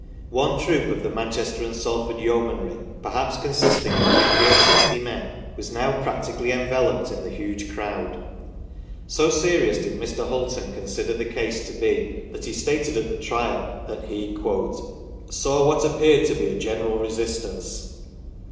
One troop of the Manchester and Salford Yeomanry (perhaps consisting of fifty or sixty men) was now practically enveloped in the huge crowd. So serious did Mr. Hulton consider their case to be that he stated at the Trial that he " saw what appeared to be a general resistance